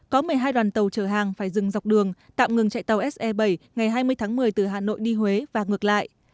có một mươi hai đoàn tàu chở hàng phải dừng dọc đường tạm ngừng chạy tàu se bảy ngày hai mươi tháng một mươi từ hà nội đi huế và ngược lại